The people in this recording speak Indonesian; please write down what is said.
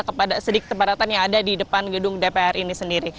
kepada sedikit kepadatan yang ada di depan gedung dpr ini sendiri